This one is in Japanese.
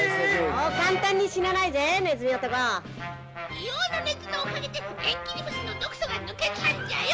「硫黄の熱のおかげで縁切り虫の毒素が抜けたんじゃよ」